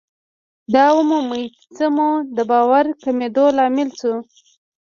دا ومومئ چې څه مو د باور کمېدو لامل شو.